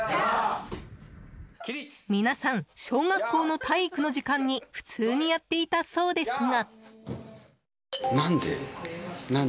皆さん、小学校の体育の時間に普通にやっていたそうですが。